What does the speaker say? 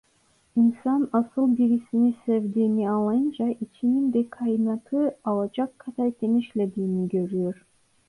İnsan asıl birisini sevdiğini anlayınca içinin de kainatı alacak kadar genişlediğini görüyor.